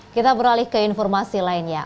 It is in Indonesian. kita beralih ke informasi lainnya